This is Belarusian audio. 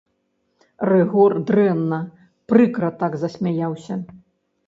Рыгор дрэнна, прыкра так засмяяўся.